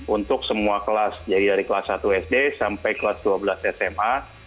untuk semua kelas jadi dari kelas satu sd sampai kelas dua belas sma